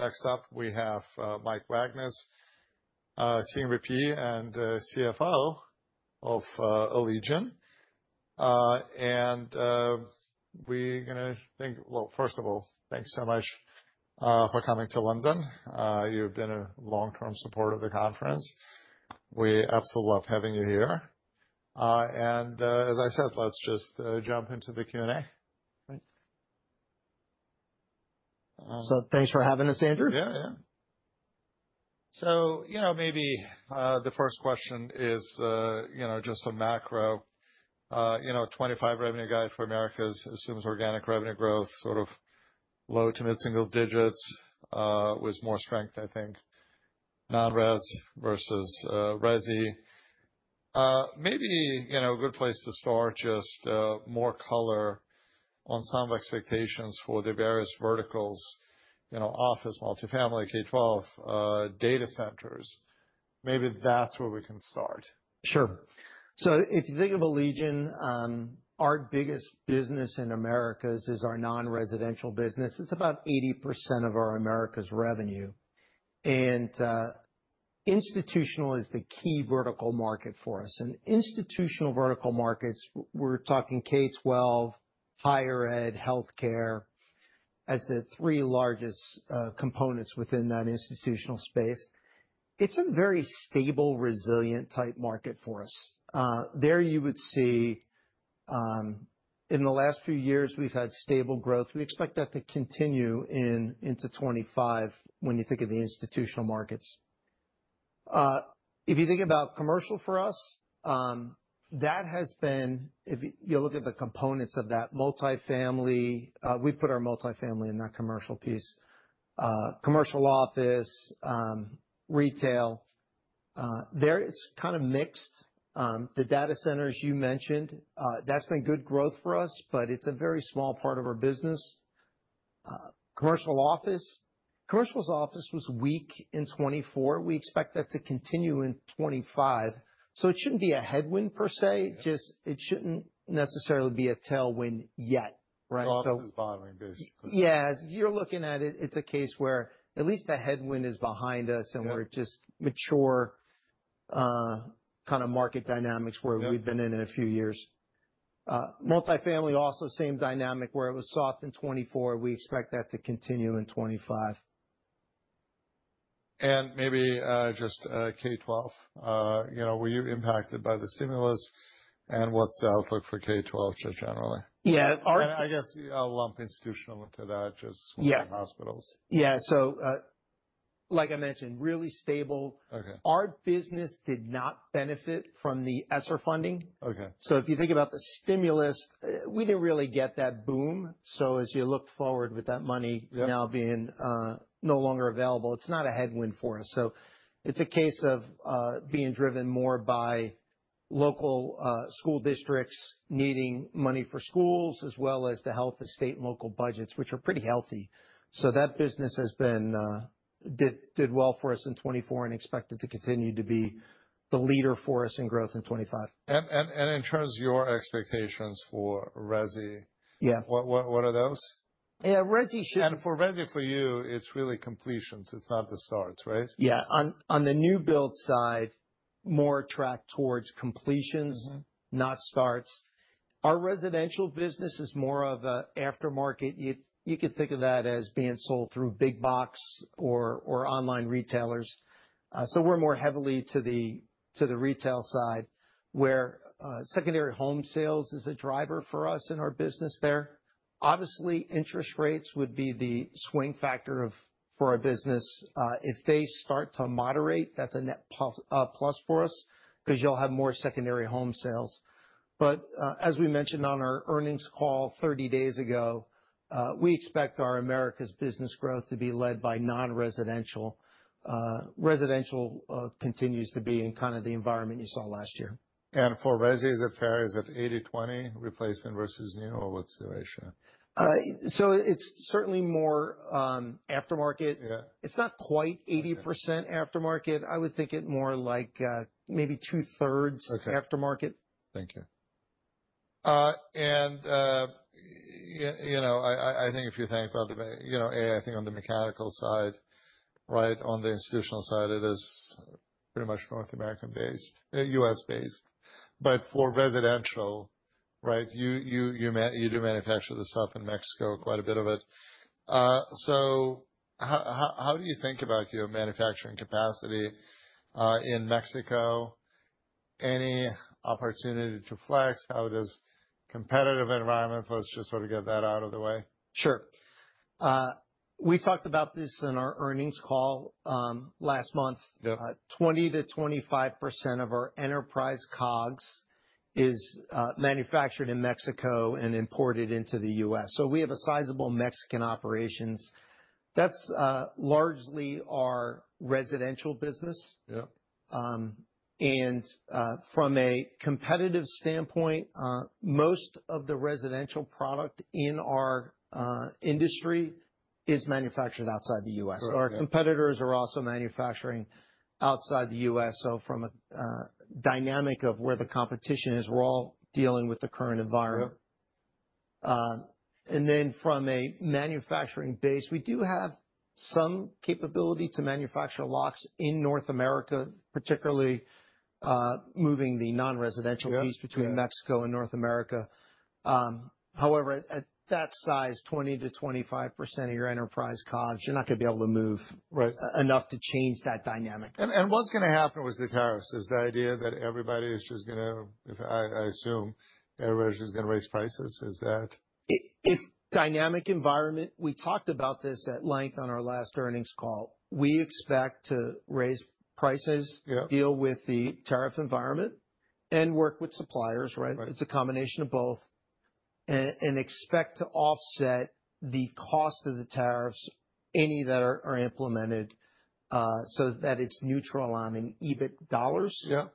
Next up, we have Mike Wagnes, Senior VP and CFO of Allegion. Thank you so much for coming to London. You have been a long-term supporter of the conference. We absolutely love having you here. As I said, let's just jump into the Q&A. Thanks for having us, Andrew. Yeah, yeah. Maybe the first question is just a macro. 2025 revenue guide for America assumes organic revenue growth, sort of low to mid-single digits, with more strength, I think, non-res versus resi. Maybe a good place to start, just more color on some of the expectations for the various verticals: office, multifamily, K-12, data centers. Maybe that's where we can start. Sure. If you think of Allegion, our biggest business in America is our non-residential business. It is about 80% of our Americas revenue. Institutional is the key vertical market for us. In institutional vertical markets, we are talking K-12, higher ed, healthcare as the three largest components within that institutional space. It is a very stable, resilient type market for us. There you would see in the last few years, we have had stable growth. We expect that to continue into 2025 when you think of the institutional markets. If you think about commercial for us, that has been, if you look at the components of that, multifamily—we put our multifamily in that commercial piece—commercial office, retail. There it is kind of mixed. The data centers you mentioned, that has been good growth for us, but it is a very small part of our business. Commercial office, commercial office was weak in 2024. We expect that to continue in 2025. It should not be a headwind per se, just it should not necessarily be a tailwind yet, right? It's all up and following, basically. Yeah. You're looking at it, it's a case where at least the headwind is behind us and we're just mature kind of market dynamics where we've been in a few years. Multifamily also same dynamic where it was soft in 2024. We expect that to continue in 2025. Maybe just K-12. Were you impacted by the stimulus and what's the outlook for K-12 just generally? Yeah. I guess I'll lump institutional into that just with the hospitals. Yeah. Like I mentioned, really stable. Our business did not benefit from the ESSER funding. If you think about the stimulus, we did not really get that boom. As you look forward with that money now being no longer available, it is not a headwind for us. It is a case of being driven more by local school districts needing money for schools as well as the health of state and local budgets, which are pretty healthy. That business did well for us in 2024 and is expected to continue to be the leader for us in growth in 2025. In terms of your expectations for resi, what are those? Yeah. resi should. For resi for you, it's really completions. It's not the starts, right? Yeah. On the new build side, more track towards completions, not starts. Our residential business is more of an aftermarket. You could think of that as being sold through big box or online retailers. We are more heavily to the retail side where secondary home sales is a driver for us in our business there. Obviously, interest rates would be the swing factor for our business. If they start to moderate, that's a net plus for us because you'll have more secondary home sales. As we mentioned on our earnings call 30 days ago, we expect our Americas business growth to be led by non-residential. Residential continues to be in kind of the environment you saw last year. For resi, is it fair? Is it 80/20 replacement versus new, or what's the ratio? It is certainly more aftermarket. It is not quite 80% aftermarket. I would think it more like maybe two-thirds aftermarket. Thank you. I think if you think about the A, I think on the mechanical side, right, on the institutional side, it is pretty much North American-based, U.S.-based. For residential, right, you do manufacture the stuff in Mexico, quite a bit of it. How do you think about your manufacturing capacity in Mexico? Any opportunity to flex? How does competitive environment, let's just sort of get that out of the way? Sure. We talked about this in our earnings call last month. 20%-25% of our enterprise COGS is manufactured in Mexico and imported into the U.S. We have a sizable Mexican operations. That's largely our residential business. From a competitive standpoint, most of the residential product in our industry is manufactured outside the U.S. Our competitors are also manufacturing outside the U.S. From a dynamic of where the competition is, we're all dealing with the current environment. From a manufacturing base, we do have some capability to manufacture locks in North America, particularly moving the non-residential piece between Mexico and North America. However, at that size, 20%-25% of your enterprise COGS, you're not going to be able to move enough to change that dynamic. What's going to happen with the tariffs? Is the idea that everybody is just going to, I assume, everybody's just going to raise prices. Is that? It's a dynamic environment. We talked about this at length on our last earnings call. We expect to raise prices, deal with the tariff environment, and work with suppliers, right? It's a combination of both and expect to offset the cost of the tariffs, any that are implemented, so that it's neutral on an EBIT dollars. Yeah.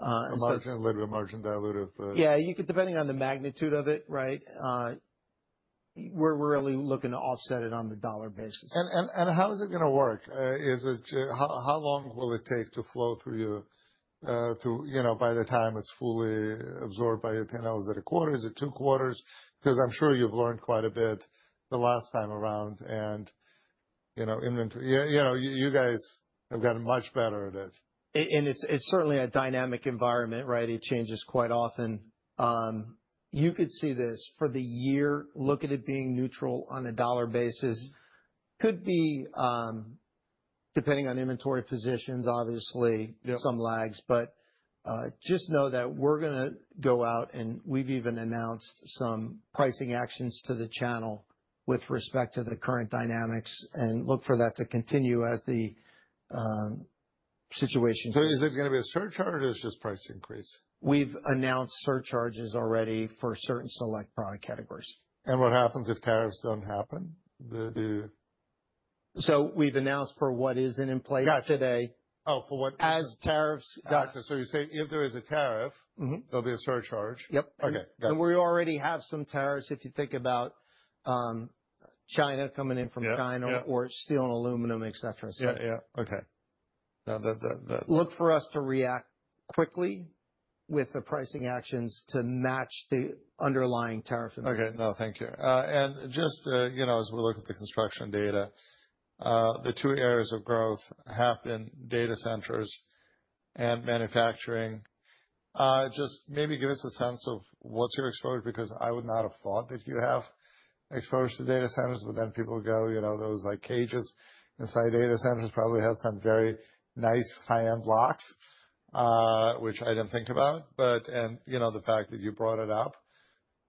A little bit of margin dilutive. Yeah. Depending on the magnitude of it, right? We're really looking to offset it on the dollar basis. How is it going to work? How long will it take to flow through you by the time it is fully absorbed by your panels? Is it a quarter? Is it two quarters? I am sure you have learned quite a bit the last time around. You guys have gotten much better at it. It is certainly a dynamic environment, right? It changes quite often. You could see this for the year, look at it being neutral on a dollar basis. Could be depending on inventory positions, obviously, some lags. Just know that we are going to go out and we have even announced some pricing actions to the channel with respect to the current dynamics and look for that to continue as the situation. Is it going to be a surcharge or it's just price increase? We've announced surcharges already for certain select product categories. What happens if tariffs do not happen? We have announced for what is not in place today. Oh, for what? As tariffs. Gotcha. You say if there is a tariff, there'll be a surcharge. Yep. And we already have some tariffs if you think about China coming in from China or steel and aluminum, et cetera, et cetera. Yeah, yeah. Okay. Look for us to react quickly with the pricing actions to match the underlying tariff. Okay. No, thank you. Just as we look at the construction data, the two areas of growth have been data centers and manufacturing. Just maybe give us a sense of what's your exposure because I would not have thought that you have exposure to data centers, but then people go, you know, those like cages inside data centers probably have some very nice high-end locks, which I did not think about. The fact that you brought it up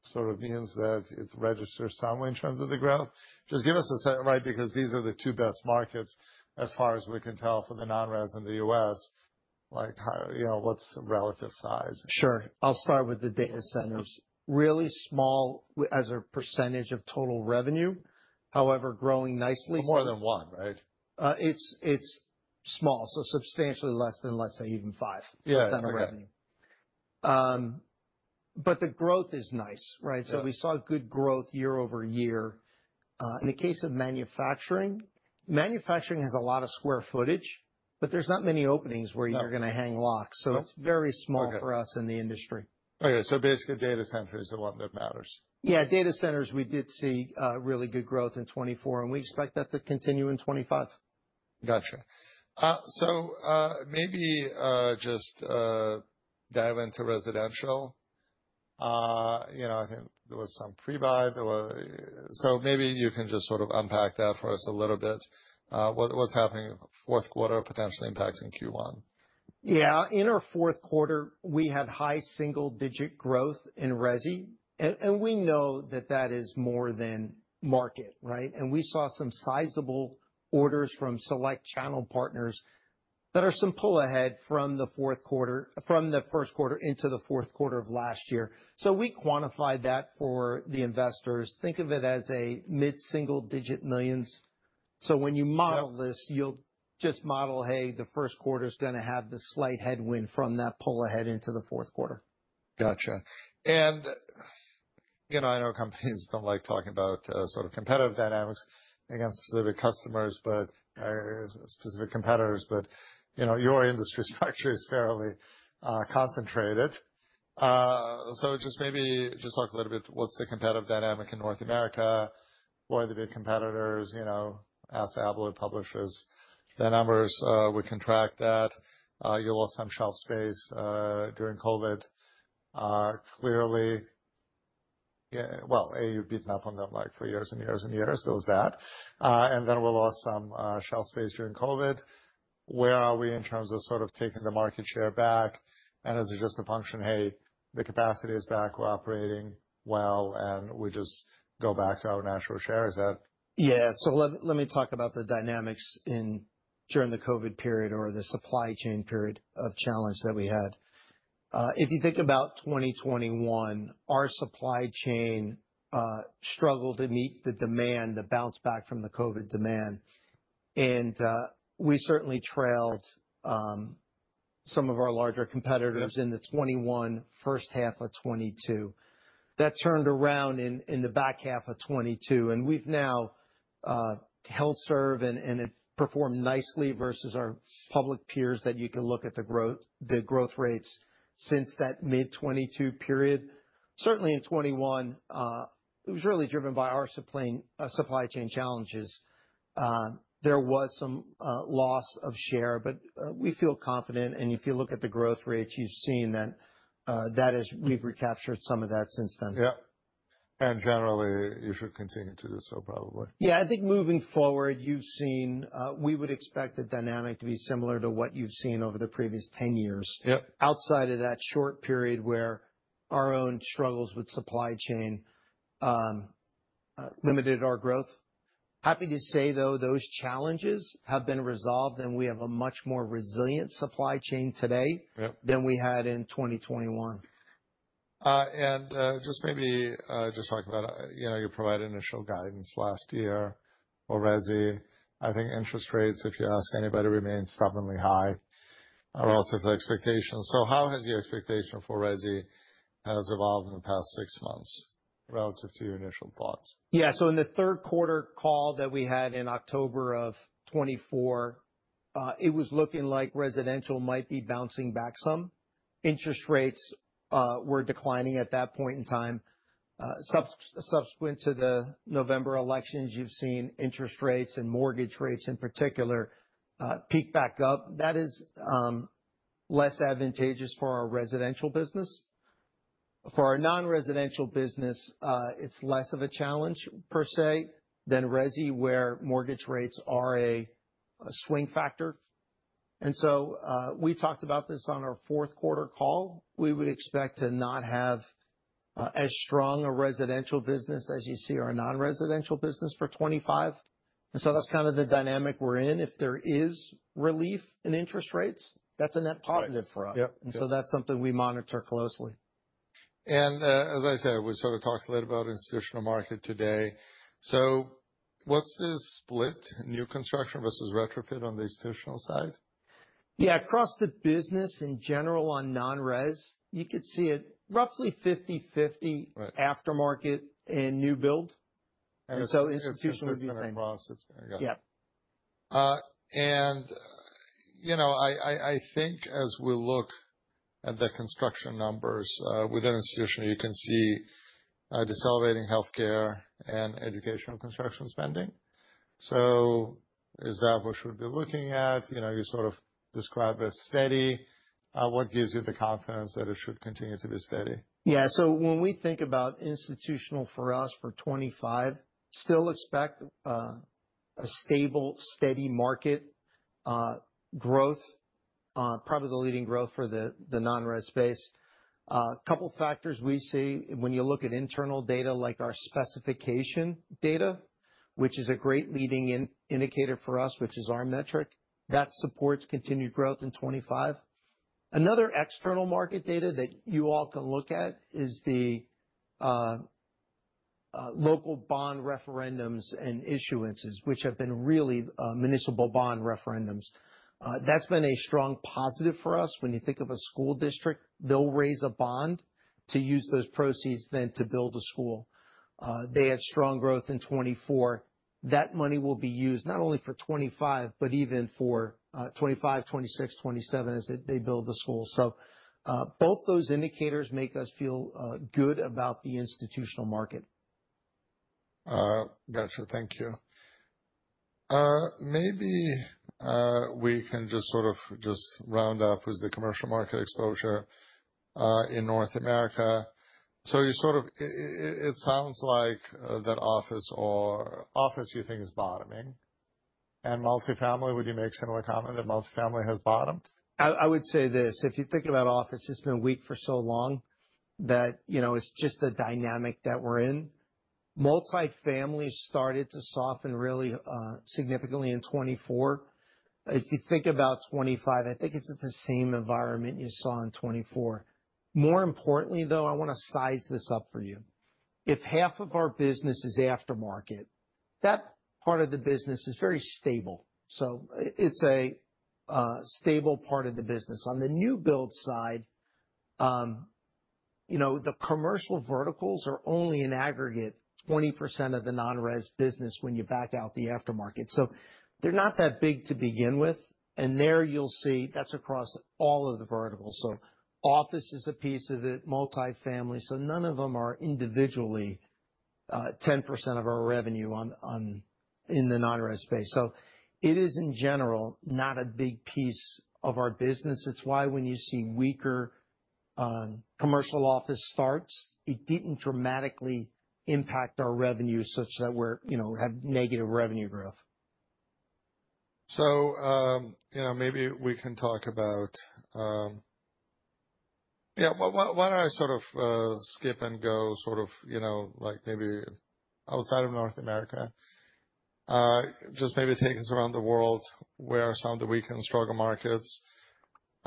sort of means that it has registered some in terms of the growth. Just give us a set, right? Because these are the two best markets as far as we can tell for the non-res in the U.S. Like what's relative size? Sure. I'll start with the data centers. Really small as a percentage of total revenue. However, growing nicely. More than one, right? It's small. Substantially less than, let's say, even 5% of revenue. The growth is nice, right? We saw good growth year-over-year. In the case of manufacturing, manufacturing has a lot of square footage, but there's not many openings where you're going to hang locks. It's very small for us in the industry. Okay. Basically data center is the one that matters. Yeah. Data centers, we did see really good growth in 2024, and we expect that to continue in 2025. Gotcha. Maybe just dive into residential. I think there was some pre-buy. Maybe you can just sort of unpack that for us a little bit. What's happening in fourth quarter potentially impacting Q1? Yeah. In our fourth quarter, we had high single-digit growth in resi. And we know that that is more than market, right? And we saw some sizable orders from select channel partners that are some pull ahead from the fourth quarter, from the first quarter into the fourth quarter of last year. So we quantified that for the investors. Think of it as a mid-single-digit millions. So when you model this, you'll just model, hey, the first quarter is going to have the slight headwind from that pull ahead into the fourth quarter. Gotcha. I know companies do not like talking about sort of competitive dynamics against specific customers, but specific competitors, but your industry structure is fairly concentrated. Just maybe talk a little bit. What is the competitive dynamic in North America? What are the big competitors? ASSA ABLOY publishes, the numbers, we can track that. You lost some shelf space during COVID. Clearly, A, you have beaten up on them like for years and years and years. There was that. Then we lost some shelf space during COVID. Where are we in terms of sort of taking the market share back? Is it just a function, hey, the capacity is back, we are operating well, and we just go back to our natural share? Is that? Yeah. Let me talk about the dynamics during the COVID period or the supply chain period of challenge that we had. If you think about 2021, our supply chain struggled to meet the demand, the bounce back from the COVID demand. We certainly trailed some of our larger competitors in 2021 and the first half of 2022. That turned around in the back half of 2022. We have now held serve and performed nicely versus our public peers that you can look at the growth rates since that mid-2022 period. Certainly in 2021, it was really driven by our supply chain challenges. There was some loss of share, but we feel confident. If you look at the growth rates, you have seen that we have recaptured some of that since then. Yeah. You should continue to do so probably. Yeah. I think moving forward, you've seen we would expect the dynamic to be similar to what you've seen over the previous 10 years. Outside of that short period where our own struggles with supply chain limited our growth. Happy to say, though, those challenges have been resolved and we have a much more resilient supply chain today than we had in 2021. Maybe just talk about, you provided initial guidance last year for resi. I think interest rates, if you ask anybody, remain stubbornly high relative to expectations. How has your expectation for resi has evolved in the past six months relative to your initial thoughts? Yeah. In the third quarter call that we had in October of 2024, it was looking like residential might be bouncing back some. Interest rates were declining at that point in time. Subsequent to the November elections, you've seen interest rates and mortgage rates in particular peak back up. That is less advantageous for our residential business. For our non-residential business, it's less of a challenge per se than resi, where mortgage rates are a swing factor. We talked about this on our fourth quarter call. We would expect to not have as strong a residential business as you see our non-residential business for 2025. That's kind of the dynamic we're in. If there is relief in interest rates, that's a net positive for us. That's something we monitor closely. As I said, we sort of talked a little about institutional market today. What's the split, new construction versus retrofit on the institutional side? Yeah. Across the business in general on non-res, you could see it roughly 50/50 aftermarket and new build. Institutional would be the same. Yeah. I think as we look at the construction numbers within institution, you can see decelerating healthcare and educational construction spending. Is that what should be looking at? You sort of describe it as steady. What gives you the confidence that it should continue to be steady? Yeah. So when we think about institutional for us for 2025, still expect a stable, steady market growth, probably the leading growth for the non-res space. A couple of factors we see when you look at internal data, like our specification data, which is a great leading indicator for us, which is our metric, that supports continued growth in 2025. Another external market data that you all can look at is the local bond referendums and issuances, which have been really municipal bond referendums. That's been a strong positive for us. When you think of a school district, they'll raise a bond to use those proceeds then to build a school. They had strong growth in 2024. That money will be used not only for 2025, but even for 2025, 2026, 2027 as they build the school. So both those indicators make us feel good about the institutional market. Gotcha. Thank you. Maybe we can just sort of round up with the commercial market exposure in North America. It sounds like that office, you think, is bottoming. And multifamily, would you make a similar comment that multifamily has bottomed? I would say this. If you think about office, it's been weak for so long that it's just the dynamic that we're in. Multifamily started to soften really significantly in 2024. If you think about 2025, I think it's the same environment you saw in 2024. More importantly, though, I want to size this up for you. If half of our business is aftermarket, that part of the business is very stable. So it's a stable part of the business. On the new build side, the commercial verticals are only in aggregate 20% of the non-res business when you back out the aftermarket. They are not that big to begin with. There you'll see that's across all of the verticals. Office is a piece of it, multifamily. None of them are individually 10% of our revenue in the non-res space. It is, in general, not a big piece of our business. It's why when you see weaker commercial office starts, it didn't dramatically impact our revenue such that we have negative revenue growth. Maybe we can talk about, yeah, why don't I sort of skip and go sort of like maybe outside of North America, just maybe take us around the world where some of the weak and stronger markets.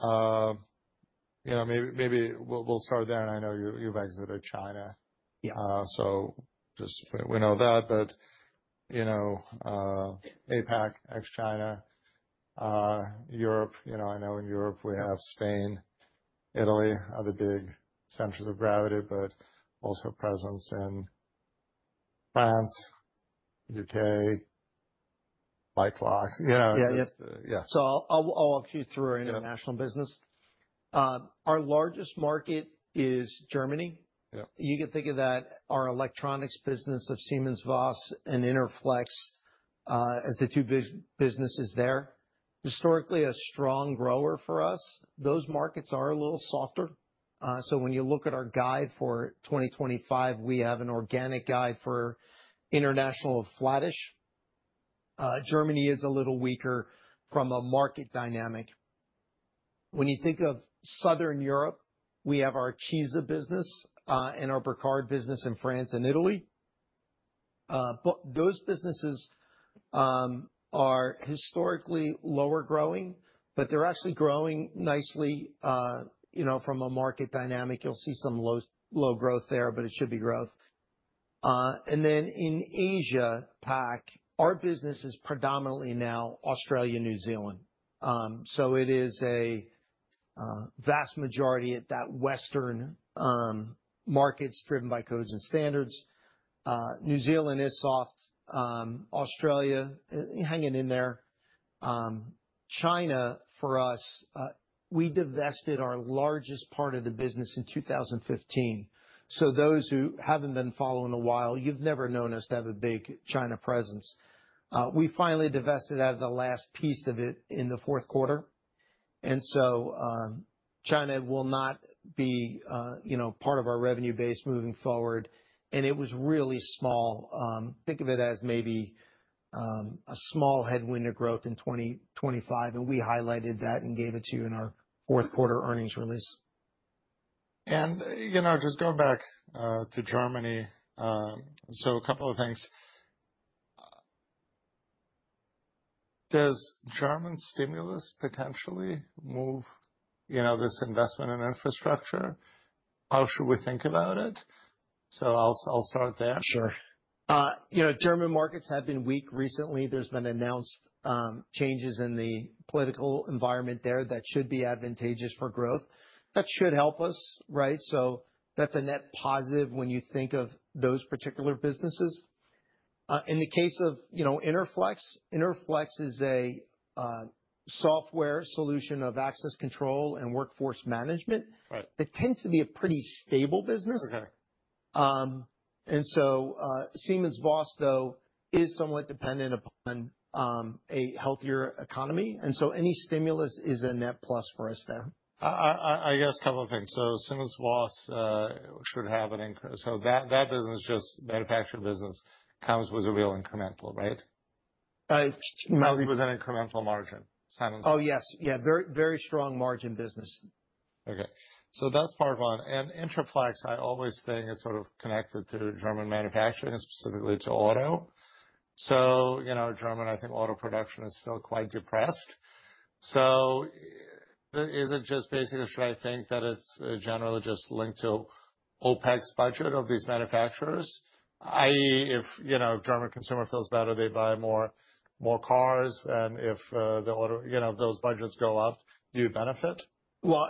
Maybe we'll start there. I know you've exited China, so just we know that. APAC, ex-China, Europe, I know in Europe we have Spain, Italy are the big centers of gravity, but also presence in France, U.K., like locks. Yeah. I'll walk you through our international business. Our largest market is Germany. You can think of that, our electronics business of SimonsVoss and Interflex as the two big businesses there. Historically, a strong grower for us. Those markets are a little softer. When you look at our guide for 2025, we have an organic guide for international of flattish. Germany is a little weaker from a market dynamic. When you think of Southern Europe, we have our CISA business and our Bricard business in France and Italy. Those businesses are historically lower growing, but they're actually growing nicely from a market dynamic. You'll see some low growth there, but it should be growth. In APAC, our business is predominantly now Australia, New Zealand. It is a vast majority at that Western markets driven by codes and standards. New Zealand is soft. Australia hanging in there. China for us, we divested our largest part of the business in 2015. So those who haven't been following a while, you've never known us to have a big China presence. We finally divested out of the last piece of it in the fourth quarter. China will not be part of our revenue base moving forward. It was really small. Think of it as maybe a small headwind of growth in 2025. We highlighted that and gave it to you in our fourth quarter earnings release. Just going back to Germany, a couple of things. Does German stimulus potentially move this investment in infrastructure? How should we think about it? I'll start there. Sure. German markets have been weak recently. There have been announced changes in the political environment there that should be advantageous for growth. That should help us, right? That is a net positive when you think of those particular businesses. In the case of Interflex, Interflex is a software solution of access control and workforce management. It tends to be a pretty stable business. SimonsVoss, though, is somewhat dependent upon a healthier economy. Any stimulus is a net plus for us there. I guess a couple of things. SimonsVoss should have an increase. That business, just manufacturing business, comes with a real incremental, right? Comes with an incremental margin. Oh, yes. Yeah. Very strong margin business. Okay. That is part one. And Interflex, I always think is sort of connected to German manufacturing, specifically to auto. German, I think auto production is still quite depressed. Is it just basically, should I think that it is generally just linked to OpEx budget of these manufacturers? I.e., if German consumer feels better, they buy more cars. And if those budgets go up, do you benefit?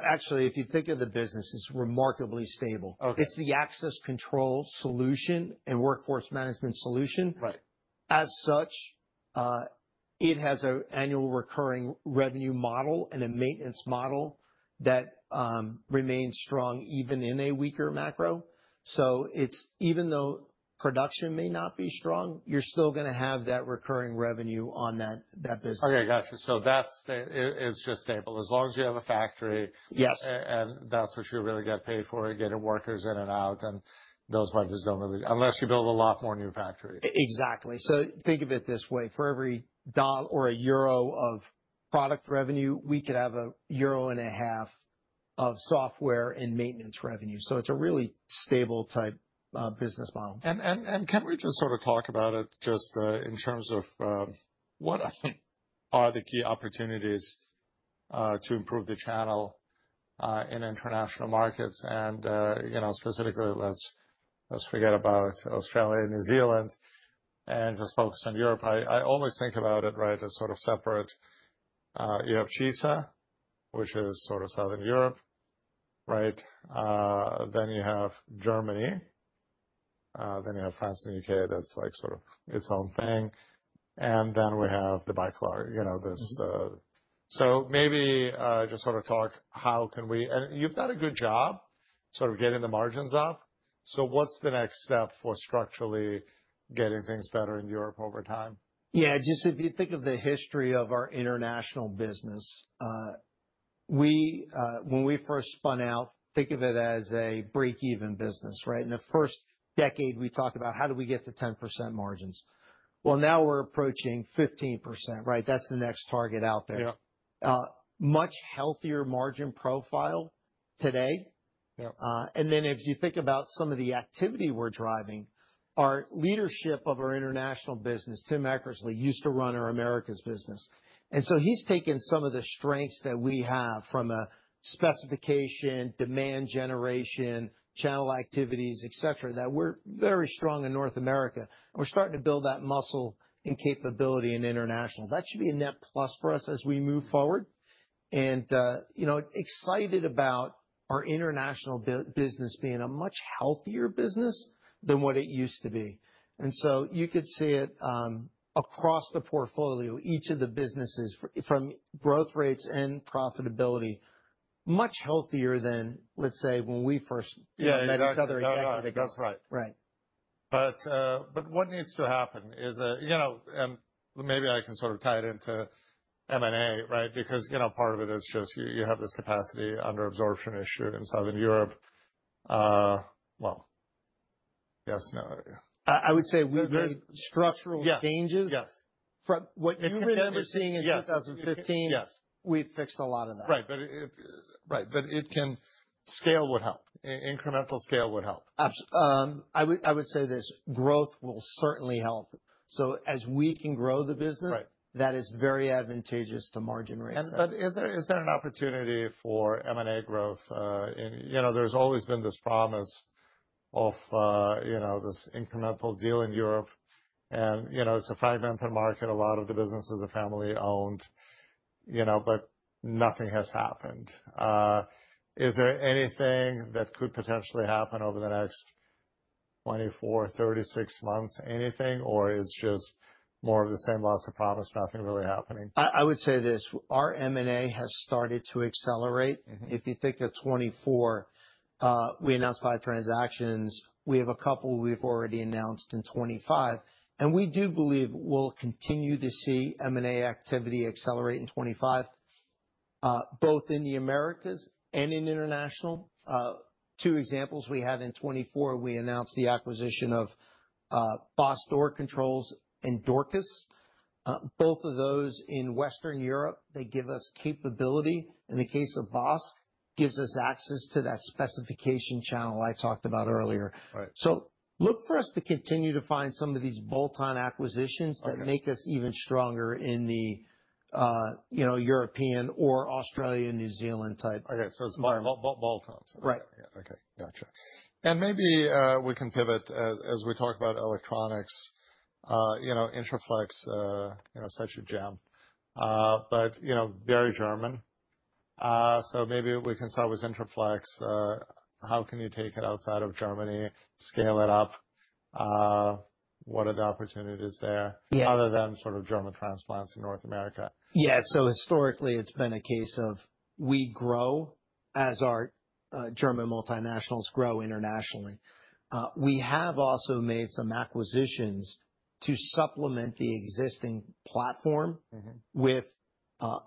Actually, if you think of the business, it's remarkably stable. It's the access control solution and workforce management solution. As such, it has an annual recurring revenue model and a maintenance model that remains strong even in a weaker macro. Even though production may not be strong, you're still going to have that recurring revenue on that business. Okay. Gotcha. That is just stable as long as you have a factory. That is what you really get paid for, getting workers in and out. Those markets do not really, unless you build a lot more new factories. Exactly. Think of it this way. For every $1 or EUR 1 of product revenue, we could have EUR 1.5 of software and maintenance revenue. It is a really stable type business model. Can we just sort of talk about it just in terms of what are the key opportunities to improve the channel in international markets? Specifically, let's forget about Australia and New Zealand and just focus on Europe. I always think about it, right, as sort of separate. You have CISA, which is sort of Southern Europe, right? Then you have Germany. Then you have France and the U.K. That's like sort of its own thing. Then we have the Benelux business. Maybe just sort of talk how can we, and you've done a good job sort of getting the margins up. What's the next step for structurally getting things better in Europe over time? Yeah. Just if you think of the history of our international business, when we first spun out, think of it as a break-even business, right? In the first decade, we talked about how do we get to 10% margins. Now we're approaching 15%, right? That's the next target out there. Much healthier margin profile today. If you think about some of the activity we're driving, our leadership of our international business, Tim Eckersley used to run our Americas business. He's taken some of the strengths that we have from a specification, demand generation, channel activities, etc., that we're very strong in North America. We're starting to build that muscle and capability in international. That should be a net plus for us as we move forward. Excited about our international business being a much healthier business than what it used to be. You could see it across the portfolio, each of the businesses from growth rates and profitability, much healthier than, let's say, when we first met each other exactly together. That's right. What needs to happen is, and maybe I can sort of tie it into M&A, right? Because part of it is just you have this capacity under absorption issue in Southern Europe. Yes, no. I would say we've made structural changes. Yes. You remember seeing in 2015, we fixed a lot of that. Right. It can scale would help. Incremental scale would help. I would say this. Growth will certainly help. As we can grow the business, that is very advantageous to margin rates. Is there an opportunity for M&A growth? There's always been this promise of this incremental deal in Europe. It's a fragmented market. A lot of the business is family-owned, but nothing has happened. Is there anything that could potentially happen over the next 24-36 months? Anything? Or is it just more of the same, lots of promise, nothing really happening? I would say this. Our M&A has started to accelerate. If you think of 2024, we announced five transactions. We have a couple we've already announced in 2025. We do believe we'll continue to see M&A activity accelerate in 2025, both in the Americas and in international. Two examples we had in 2024, we announced the acquisition of Boss Door Controls and Dorcas. Both of those in Western Europe, they give us capability. In the case of Boss, gives us access to that specification channel I talked about earlier. Look for us to continue to find some of these bolt-on acquisitions that make us even stronger in the European or Australia and New Zealand type. Okay. So it's more bolt-on. Right. Okay. Gotcha. Maybe we can pivot as we talk about electronics. Interflex is such a gem, but very German. Maybe we can start with Interflex. How can you take it outside of Germany, scale it up? What are the opportunities there other than sort of German transplants in North America? Yeah. Historically, it's been a case of we grow as our German multinationals grow internationally. We have also made some acquisitions to supplement the existing platform with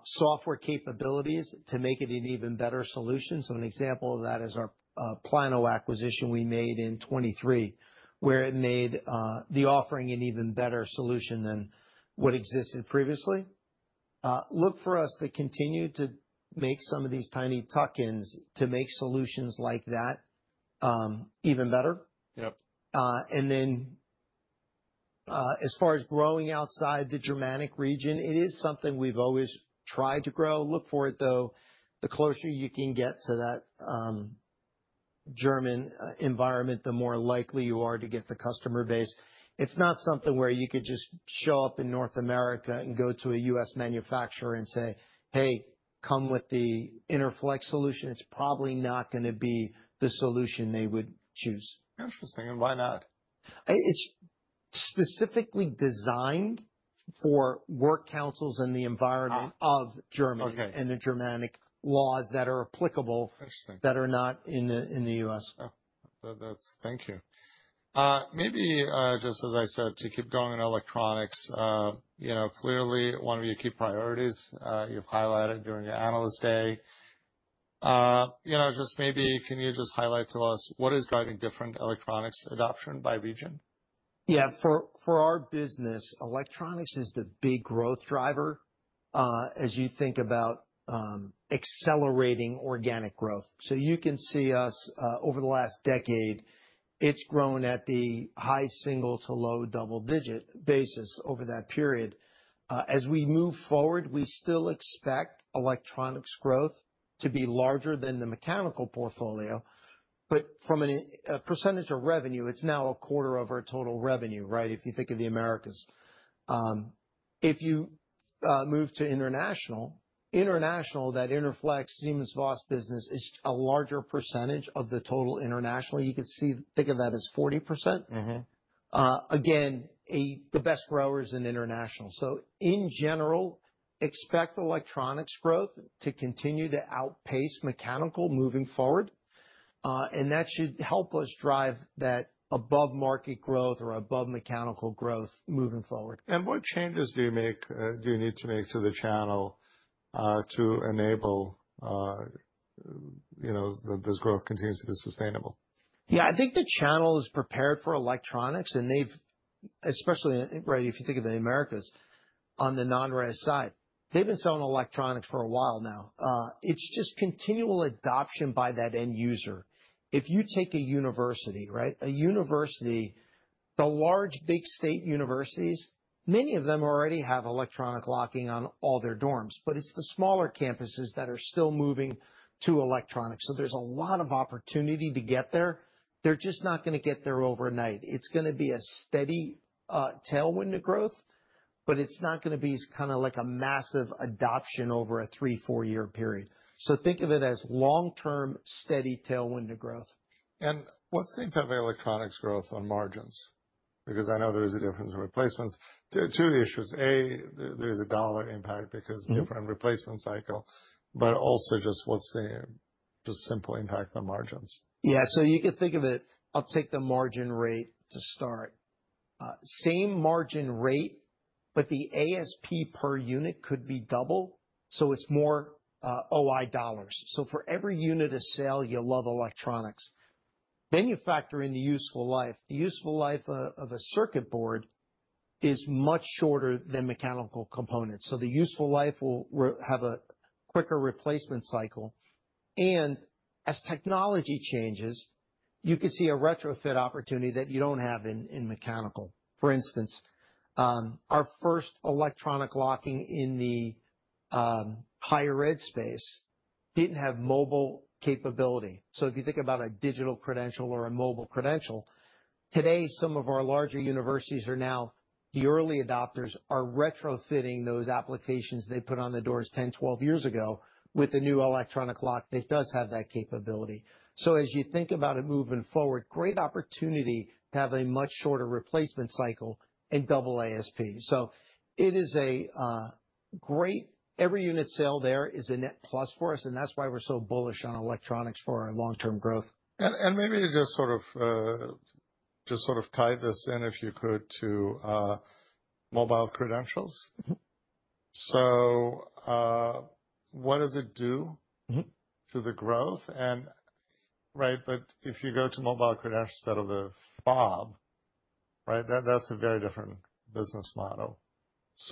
software capabilities to make it an even better solution. An example of that is our Plano acquisition we made in 2023, where it made the offering an even better solution than what existed previously. Look for us to continue to make some of these tiny tuck-ins to make solutions like that even better. As far as growing outside the Germanic region, it is something we've always tried to grow. Look for it, though. The closer you can get to that German environment, the more likely you are to get the customer base. It's not something where you could just show up in North America and go to a U.S. manufacturer and say, "Hey, come with the Interflex solution." It's probably not going to be the solution they would choose. Interesting. Why not? It's specifically designed for work councils in the environment of Germany and the Germanic laws that are applicable that are not in the U.S. Thank you. Maybe just as I said, to keep going on electronics, clearly one of your key priorities you have highlighted during your analyst day. Just maybe can you just highlight to us what is driving different electronics adoption by region? Yeah. For our business, electronics is the big growth driver as you think about accelerating organic growth. You can see us over the last decade, it has grown at the high single to low double-digit basis over that period. As we move forward, we still expect electronics growth to be larger than the mechanical portfolio. From a percentage of revenue, it is now a quarter of our total revenue, right, if you think of the Americas. If you move to international, international, that Interflex, SimonsVoss business is a larger percentage of the total international. You could think of that as 40%. Again, the best growers in international. In general, expect electronics growth to continue to outpace mechanical moving forward. That should help us drive that above-market growth or above-mechanical growth moving forward. What changes do you need to make to the channel to enable this growth continues to be sustainable? Yeah. I think the channel is prepared for electronics. Especially, right, if you think of the Americas on the non-res side, they've been selling electronics for a while now. It's just continual adoption by that end user. If you take a university, right, a university, the large big state universities, many of them already have electronic locking on all their dorms. It's the smaller campuses that are still moving to electronics. There's a lot of opportunity to get there. They're just not going to get there overnight. It's going to be a steady tailwind to growth, but it's not going to be kind of like a massive adoption over a three, four-year period. Think of it as long-term steady tailwind to growth. What is the impact of electronics growth on margins? Because I know there is a difference in replacements. Two issues. A, there is a dollar impact because different replacement cycle, but also just what is the simple impact on margins? Yeah. You could think of it, I'll take the margin rate to start. Same margin rate, but the ASP per unit could be double. It is more OI dollars. For every unit of sale, you'll love electronics. Then you factor in the useful life. The useful life of a circuit board is much shorter than mechanical components. The useful life will have a quicker replacement cycle. As technology changes, you could see a retrofit opportunity that you do not have in mechanical. For instance, our first electronic locking in the higher ed space did not have mobile capability. If you think about a digital credential or a mobile credential, today, some of our larger universities are now, the early adopters are retrofitting those applications they put on the doors 10-12 years ago with a new electronic lock that does have that capability. As you think about it moving forward, great opportunity to have a much shorter replacement cycle and double ASP. It is a great every unit sale there is a net plus for us. That's why we're so bullish on electronics for our long-term growth. Maybe just sort of tie this in if you could to mobile credentials. What does it do to the growth? Right? If you go to mobile credentials instead of the fob, right, that's a very different business model.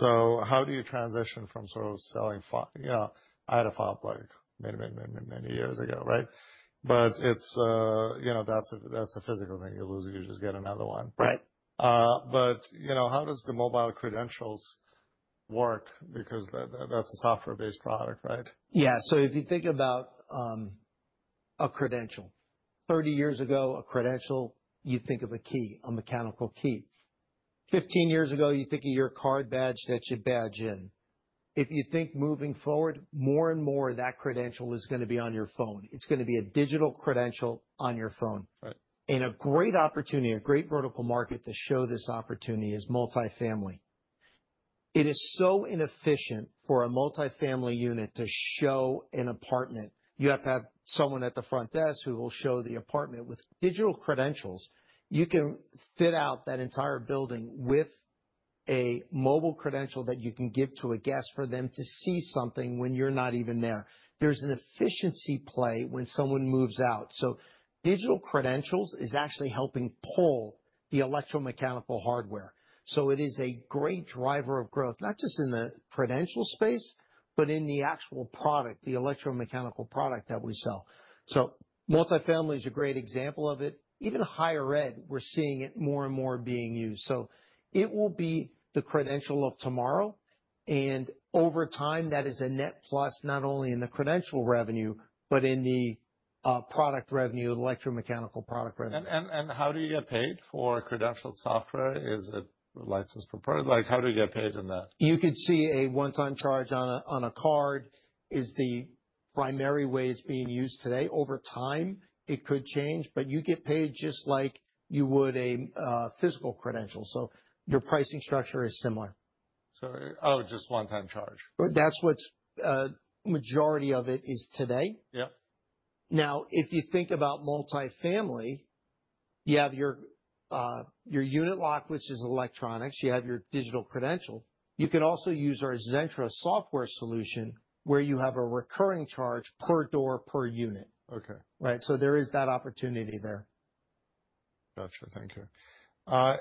How do you transition from sort of selling I had a fob like many, many, many, many years ago, right? That's a physical thing. You lose, you just get another one. How does the mobile credentials work? That's a software-based product, right? Yeah. If you think about a credential, 30 years ago, a credential, you think of a key, a mechanical key. Fifteen years ago, you think of your card badge that you badge in. If you think moving forward, more and more of that credential is going to be on your phone. It is going to be a digital credential on your phone. A great opportunity, a great vertical market to show this opportunity is multifamily. It is so inefficient for a multifamily unit to show an apartment. You have to have someone at the front desk who will show the apartment. With digital credentials, you can fit out that entire building with a mobile credential that you can give to a guest for them to see something when you are not even there. There is an efficiency play when someone moves out. Digital credentials is actually helping pull the electromechanical hardware. It is a great driver of growth, not just in the credential space, but in the actual product, the electromechanical product that we sell. Multifamily is a great example of it. Even higher ed, we are seeing it more and more being used. It will be the credential of tomorrow. Over time, that is a net plus not only in the credential revenue, but in the electromechanical product revenue. How do you get paid for credential software? Is it licensed? How do you get paid in that? You could see a one-time charge on a card is the primary way it's being used today. Over time, it could change, but you get paid just like you would a physical credential. So your pricing structure is similar. Oh, just one-time charge. That's what the majority of it is today. Now, if you think about multifamily, you have your unit lock, which is electronics. You have your digital credential. You can also use our Zentra software solution where you have a recurring charge per door, per unit. Right? So there is that opportunity there. Gotcha. Thank you. How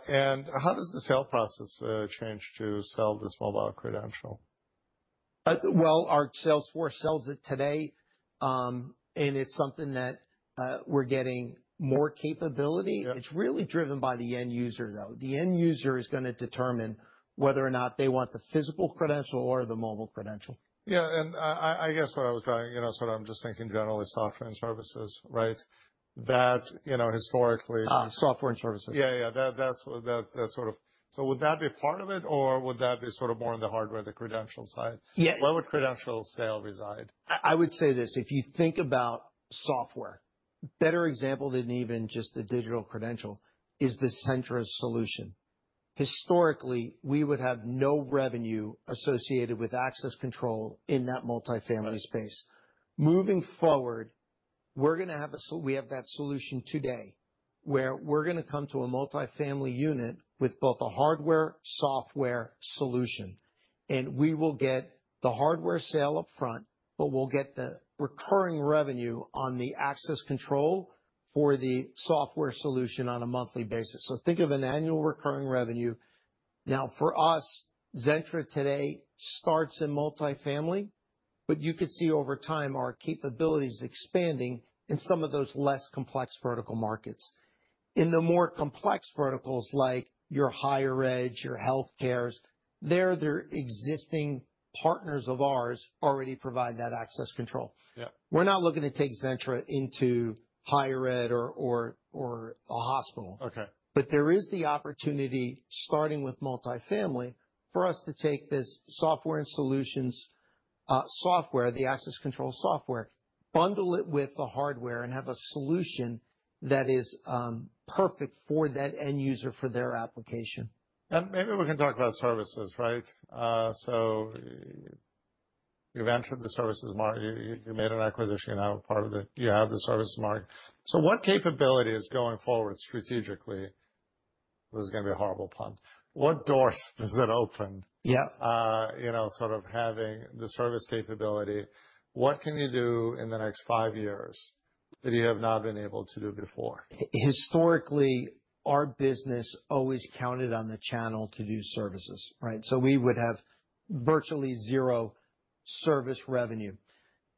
does the sale process change to sell this mobile credential? Our sales force sells it today. And it's something that we're getting more capability. It's really driven by the end user, though. The end user is going to determine whether or not they want the physical credential or the mobile credential. Yeah. I guess what I was trying to sort of, I'm just thinking generally software and services, right? That historically. Software and services. Yeah. Yeah. That sort of, so would that be part of it, or would that be sort of more on the hardware, the credential side? Yes. Where would credential sale reside? I would say this. If you think about software, better example than even just the digital credential is the Zentra solution. Historically, we would have no revenue associated with access control in that multifamily space. Moving forward, we have that solution today where we are going to come to a multifamily unit with both a hardware and software solution. We will get the hardware sale upfront, but we will get the recurring revenue on the access control for the software solution on a monthly basis. Think of an annual recurring revenue. Now, for us, Zentra today starts in multifamily, but you could see over time our capabilities expanding in some of those less complex vertical markets. In the more complex verticals like your higher ed, your healthcares, there are existing partners of ours already provide that access control. We're not looking to take Zentra into higher ed or a hospital. There is the opportunity starting with multifamily for us to take this software and solutions software, the access control software, bundle it with the hardware and have a solution that is perfect for that end user for their application. Maybe we can talk about services, right? You have entered the services market. You made an acquisition. You are now part of the services market. What capability is going forward strategically? This is going to be a horrible pun. What doors does it open? Yeah. Sort of having the service capability, what can you do in the next five years that you have not been able to do before? Historically, our business always counted on the channel to do services, right? We would have virtually zero service revenue.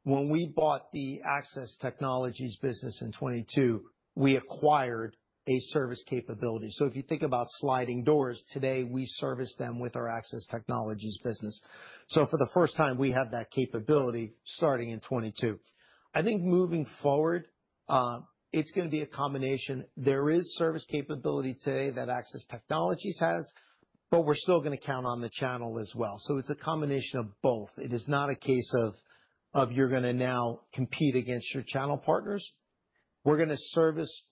When we bought the Access Technologies business in 2022, we acquired a service capability. If you think about sliding doors, today we service them with our Access Technologies business. For the first time, we have that capability starting in 2022. I think moving forward, it is going to be a combination. There is service capability today that Access Technologies has, but we are still going to count on the channel as well. It is a combination of both. It is not a case of you are going to now compete against your channel partners. We are going to service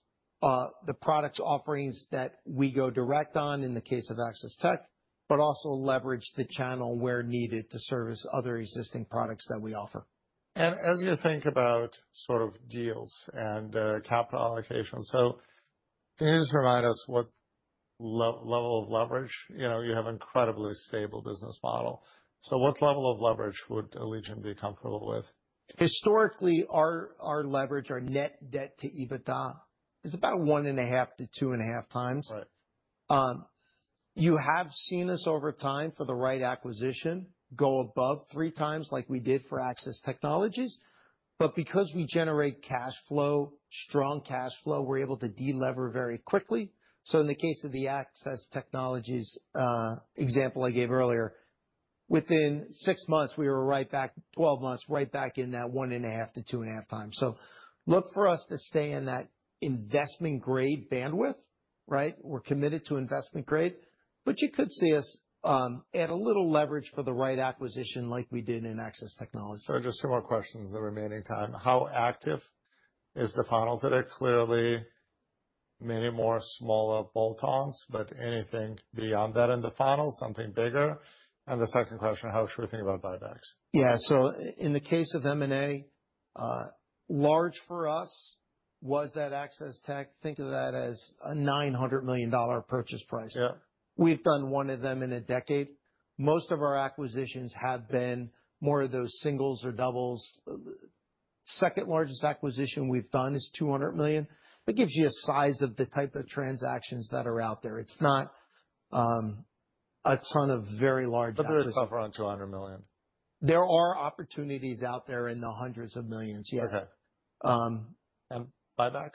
the product offerings that we go direct on in the case of Access Technologies, but also leverage the channel where needed to service other existing products that we offer. As you think about sort of deals and capital allocation, can you just remind us what level of leverage? You have an incredibly stable business model. What level of leverage would Allegion be comfortable with? Historically, our leverage, our net debt to EBITDA is about one and a half to two and a half times. You have seen us over time for the right acquisition go above three times like we did for Access Technologies. Because we generate cash flow, strong cash flow, we're able to delever very quickly. In the case of the Access Technologies example I gave earlier, within six months, we were right back, 12 months, right back in that one and a half to two and a half time. Look for us to stay in that investment-grade bandwidth, right? We're committed to investment-grade. You could see us add a little leverage for the right acquisition like we did in Access Technologies. Just two more questions in the remaining time. How active is the funnel today? Clearly, many more smaller bolt-ons, but anything beyond that in the funnel, something bigger? The second question, how should we think about buybacks? Yeah. In the case of M&A, large for us was that Access Technologies. Think of that as a $900 million purchase price. We've done one of them in a decade. Most of our acquisitions have been more of those singles or doubles. Second largest acquisition we've done is $200 million. That gives you a size of the type of transactions that are out there. It's not a ton of very large acquisitions. There is stuff around $200 million. There are opportunities out there in the hundreds of millions, yes. And buyback?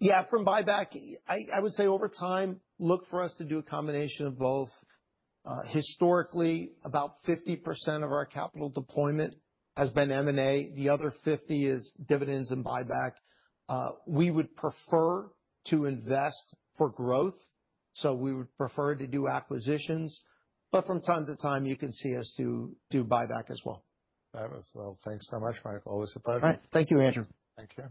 Yeah. From buyback, I would say over time, look for us to do a combination of both. Historically, about 50% of our capital deployment has been M&A. The other 50% is dividends and buyback. We would prefer to invest for growth. We would prefer to do acquisitions. From time to time, you can see us do buyback as well. Fabulous. Thanks so much, Mike. Always a pleasure. All right. Thank you, Andrew. Take care.